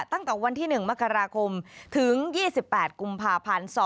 ตั้งเก่าวันที่หนึ่งมกรคมถึงยี่สิบแปดกุมภาพันธ์